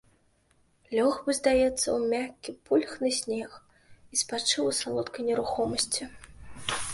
Лёг бы, здаецца, у мяккі, пульхны снег і спачыў у салодкай нерухомасці.